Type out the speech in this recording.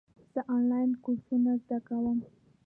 زه آنلاین کورسونه زده کوم.